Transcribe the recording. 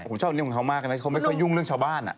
ผมชอบอันนี้ของเขามากนะเขาไม่ค่อยยุ่งเรื่องชาวบ้าน